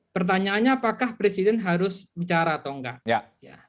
pertanyaannya apakah presiden harus bicara atau enggak